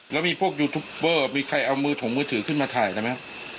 แล้วมีพวกยูทูปเบอร์มีใครเอามือถงมือถือขึ้นมาถ่ายได้ไหมครับ